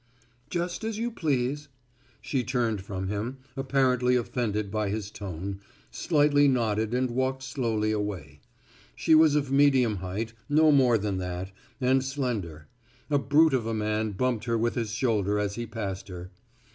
"Just as you please." She turned from him, apparently offended by his tone, slightly nodded and walked slowly away. She was of medium height, no more than that, and slender. A brute of a man bumped her with his shoulder as he passed her.